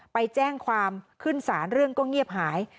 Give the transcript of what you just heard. ไปแจ้งความขึ้นศาลเรื่องก็เงียบหาย